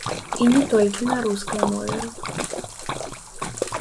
І не толькі на рускай мове.